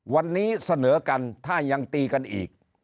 วันนี้เสนอกันถ้ายังตีกันอีก